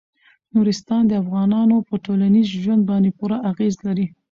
نورستان د افغانانو په ټولنیز ژوند باندې پوره اغېز لري.